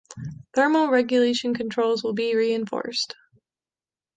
Thermal regulation controls will be reinforced.